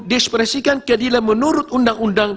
diskresikan keadilan menurut undang undang